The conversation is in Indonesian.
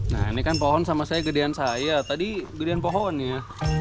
nah ini kan pohon sama saya gedean saya tadi gedean pohon ya